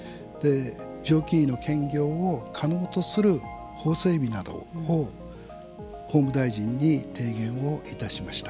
常勤医の兼業を可能とする法整備などを法務大臣に提言をいたしました。